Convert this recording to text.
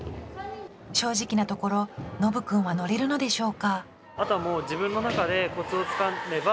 正直なところのぶ君は乗れるのでしょうか？